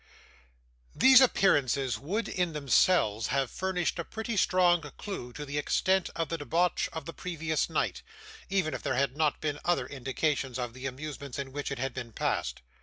These appearances would in themselves have furnished a pretty strong clue to the extent of the debauch of the previous night, even if there had not been other indications of the amusements in which it had been passed.